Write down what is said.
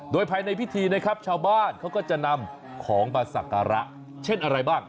โดยภายในพิธีนะครับชาวบ้านเขาก็จะนำของมาสักการะเช่นอะไรบ้าง